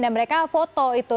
dan mereka foto itu